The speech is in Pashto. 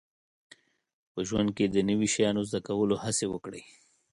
په ژوند کې د نوي شیانو زده کولو هڅې وکړئ